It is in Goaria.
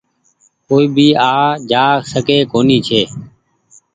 ڪوئي ڀي آج جآ ڪونيٚ سکي ڇي۔